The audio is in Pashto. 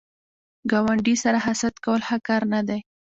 ګاونډي سره حسد کول ښه کار نه دی